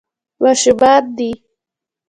ماشومان دي.